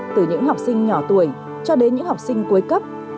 từ những học sinh nhỏ tuổi cho đến những học sinh cuối cấp